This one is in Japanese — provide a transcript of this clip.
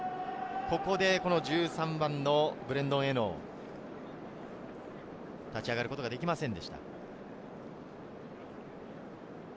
１３番のブレイドン・エノー、立ち上がることができませんでした。